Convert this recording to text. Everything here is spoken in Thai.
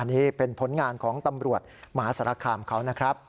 นี่เป็นผลงานของตำรวจมหาสารคามเขานะครับ